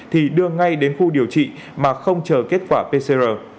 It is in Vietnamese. thì đưa ngay đến khu điều trị mà không chờ kết quả pcr